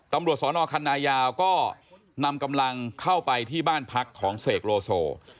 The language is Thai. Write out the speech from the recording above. ตำรวจสอนอคันนายาวก็นำกำลังเข้าไปที่บ้านพักของเสกโลโซ